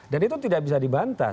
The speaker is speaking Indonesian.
dan itu tidak bisa dibantas